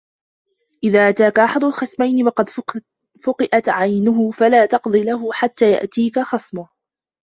إذا أتاك أحد الخصمين وقد فُقِئَتْ عينه فلا تقض له حتى يأتيك خصمه